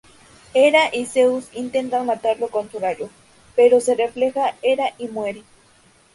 Hera y Zeus intentan matarlo con su rayo, pero se refleja y Hera muere.